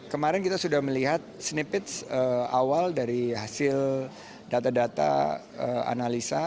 kemarin kita sudah melihat snippits awal dari hasil data data analisa